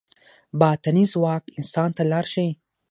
باطني ځواک انسان ته لار ښيي.